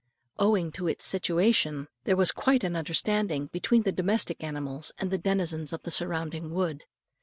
Owing to its situation, there was quite an understanding between the domestic animals, and the denizens of the surrounding wood.